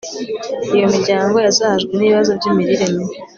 iyo imiryango yazahajwe n'ibibazo by'imirire mibi